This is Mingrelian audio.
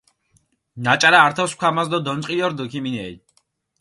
ნაჭარა ართო სქვამას დო დონწყილო რდჷ ქიმინელი.